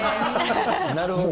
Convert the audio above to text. なるほどね。